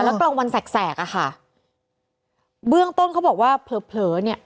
แล้วกลางวันแสกแสกอ่ะค่ะเบื้องต้นเขาบอกว่าเผลอเผลอเนี่ย